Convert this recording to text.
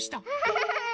ハハハハ！